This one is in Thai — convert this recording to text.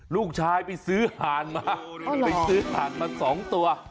ลูกชายไปซื้อหานมาไปซื้อหาดมา๒ตัว